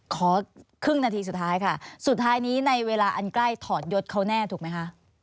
ขอครึ่งนาทีสุดท้ายค่ะสุดท้ายนี้ในเวลาอันใกล้ถอดยศเขาแน่ถูกไหมคะ